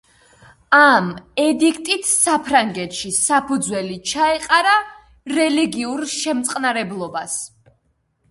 ამ ედიქტით საფრანგეთში საფუძველი ჩაეყარა რელიგიურ შემწყნარებლობას.